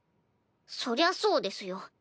そりゃそうですよ。